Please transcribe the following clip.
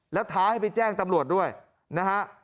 แล้วท้าให้ไปแจ้งตำรวจด้วยนะฮะ